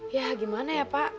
ya gimana ya pak